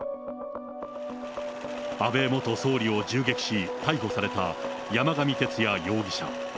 安倍元総理を銃撃し、逮捕された山上徹也容疑者。